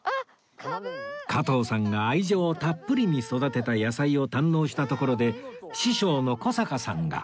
加藤さんが愛情たっぷりに育てた野菜を堪能したところで師匠の小坂さんが